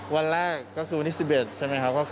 วันแรกก็คือวันที่๑๑ใช่ไหมครับ